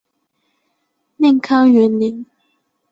宁康元年。